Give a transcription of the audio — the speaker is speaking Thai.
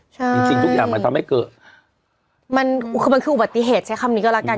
ใช่จริงจริงทุกอย่างมันทำให้เกิดมันคือมันคืออุบัติเหตุใช้คำนี้ก็แล้วกัน